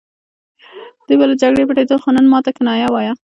دوی به له جګړې پټېدل خو نن ماته کنایه وايي